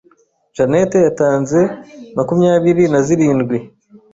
Jeannette yatanze makumyabiri na zirindwi